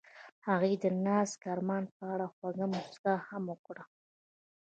هغې د نازک آرمان په اړه خوږه موسکا هم وکړه.